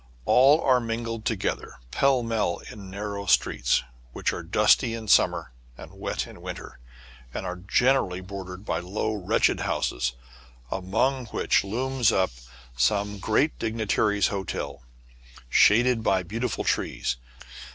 All are mingled together pellmell in narrow streets, which are dusty in sum mer and wet in winter, and are generally bordered by low, wretched houses, among which looms up FOUR CITIES IN ONE, ISS some great dignitary's hotel, shaded by beautiful trees.